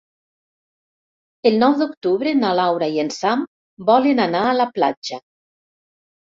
El nou d'octubre na Laura i en Sam volen anar a la platja.